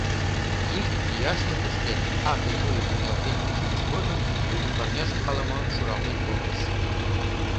Ик яшлыкыште ате вуйым ниялтен ончымыж годым тудын парняжым ала-мо шуралтен колтыш.